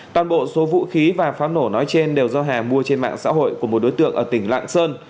toàn bộ số vũ khí và pháo nổ nói trên đều do hà mua trên mạng xã hội của một đối tượng ở tỉnh lạng sơn